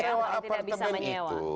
sewa apartemen itu